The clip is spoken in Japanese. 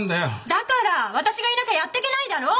だから私がいなきゃやってけないだろ？